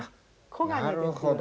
黄金ですよね。